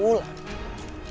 belum diketahui sama ulan